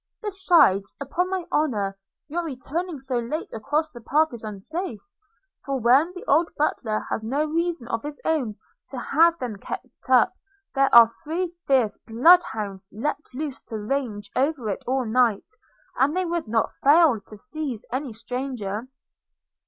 Besides, upon my honour, your returning so late across the park is unsafe; for, when the old butler has no reasons of his own to have them kept up, there are three fierce blood hounds let loose to range over it all night, and they would not fail to seize any stranger.'